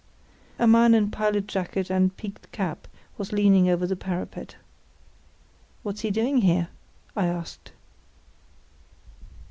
A man in a pilot jacket and peaked cap was leaning over the parapet. "What's he doing here?" I asked.